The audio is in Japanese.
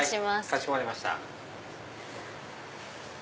かしこまりました。